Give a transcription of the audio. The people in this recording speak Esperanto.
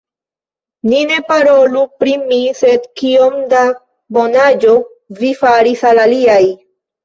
Ni ne parolu pri mi, sed kiom da bonaĵo vi faris al aliaj!